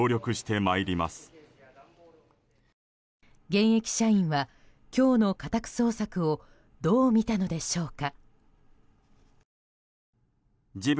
現役社員は、今日の家宅捜索をどう見たのでしょうか。